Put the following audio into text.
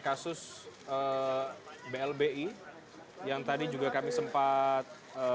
kasus blbi yang tadi juga kami sempat